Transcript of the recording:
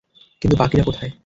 কিন্তু বাকিরা কোথায়?